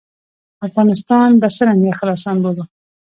افغانستان به څرنګه خراسان بولو.